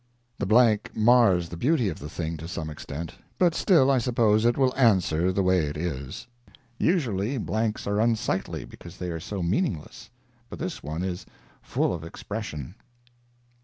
The blank mars the beauty of the thing to some extent, but still I suppose it will answer the way it is. Usually, blanks are unsightly because they are so meaningless, but this one is full of expression.